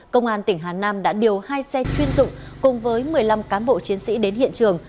công an tỉnh hà nam đã điều hai xe chuyên dụng cùng với một mươi năm cán bộ chiến sĩ đến hiện trường